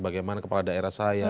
bagaimana kepala daerah saya